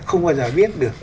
không bao giờ biết được